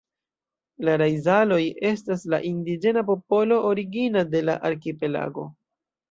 La Raizal-oj estas la indiĝena popolo origina de la arkipelago.